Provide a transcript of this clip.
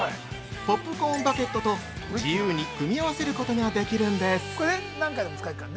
ポップコーンバケットと自由に組み合わせることができるんです。